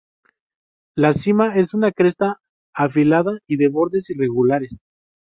La cima es una cresta afilada y de bordes irregulares.